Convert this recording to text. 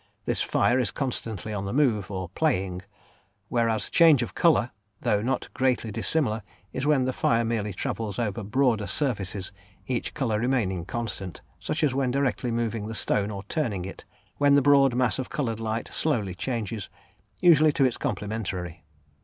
This fire is constantly on the move, or "playing," whereas "change of colour," though not greatly dissimilar, is when the fire merely travels over broader surfaces, each colour remaining constant, such as when directly moving the stone, or turning it, when the broad mass of coloured light slowly changes, usually to its complementary.